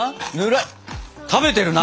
食べてるな！